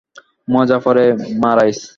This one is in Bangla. মজা পরে মারাইস!